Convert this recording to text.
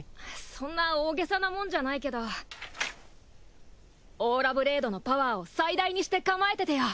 そんな大げさなもんじゃないけどオーラブレードのパワーを最大にして構えててよ。